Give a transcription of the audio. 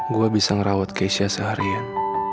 gue bisa ngerawat keisha seharian